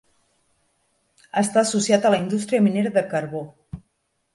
Està associat a la indústria minera de carbó.